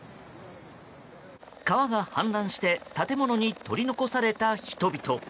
川が氾濫して建物に取り残された人々。